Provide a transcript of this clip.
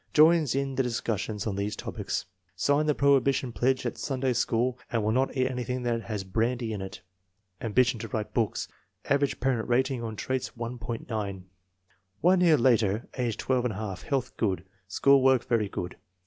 Joins in the discussions on these topics. Signed the prohibition pledge at Sunday School and will not eat anything that has brandy in it. Ambition to write books. Average parent rating on traits, 1.90. One year later, age 12j. Health good. School work very good.